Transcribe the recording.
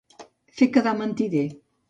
Fer quedar mentider.